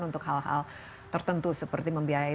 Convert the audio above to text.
untuk hal hal tertentu seperti membiayai